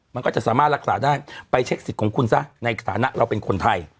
มันก็จะสามารถรักษาได้ไปเช็คสิทธิ์ของคุณซะในสถานะเราเป็นคนไทย